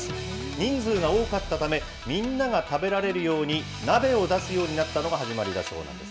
人数が多かったため、みんなが食べられるように、鍋を出すようになったのが始まりだそうなんです